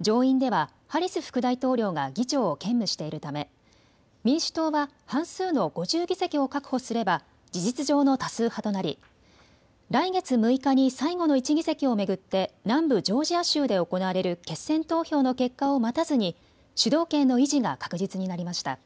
上院ではハリス副大統領が議長を兼務しているため民主党は半数の５０議席を確保すれば事実上の多数派となり来月６日に最後の１議席を巡って南部ジョージア州で行われる決選投票の結果を待たずに主導権の維持が確実になりました。